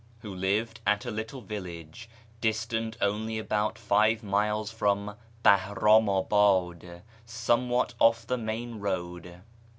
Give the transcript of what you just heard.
who lived at a little village distant only about live miles from Bahramabad, somewhat off the main road.